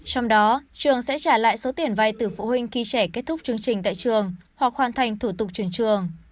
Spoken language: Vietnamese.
trong đó trường sẽ trả lại số tiền vay từ phụ huynh khi trẻ kết thúc chương trình tại trường hoặc hoàn thành thủ tục trường